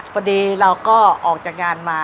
พอดีเราก็ออกจากงานมา